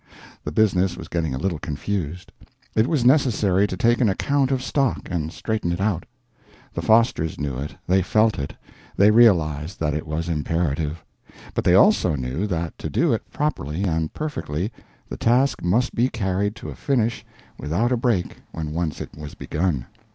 The business was getting a little confused. It was necessary to take an account of stock, and straighten it out. The Fosters knew it, they felt it, they realized that it was imperative; but they also knew that to do it properly and perfectly the task must be carried to a finish without a break when once it was begun.